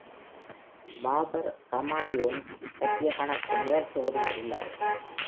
பாபர், ஹுமாயூன் பற்றிய கணக்கு முதல் தொகுதியில் உள்ளது.